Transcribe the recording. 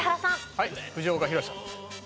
はい藤岡弘、さん。